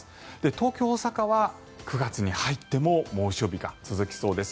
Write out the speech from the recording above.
東京、大阪は９月に入っても猛暑日が続きそうです。